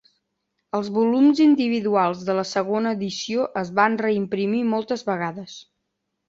Els volums individuals de la segona edició es van reimprimir moltes vegades.